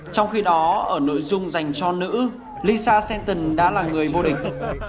trong khi đó ở nội dung dành cho nữ lisa senton đã là người vô địch